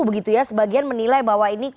begitu ya sebagian menilai bahwa ini